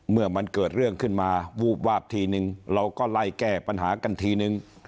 เมื่อมันเกิดเรื่องขึ้นมาวูบวาบทีนึงเราก็ไล่แก้ปัญหากันทีนึง